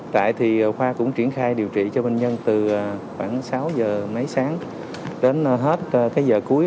tại thì khoa cũng triển khai điều trị cho bệnh nhân từ khoảng sáu giờ máy sáng đến hết giờ cuối